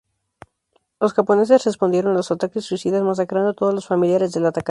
Los japoneses respondieron a los ataques suicidas masacrando todos los familiares del atacante.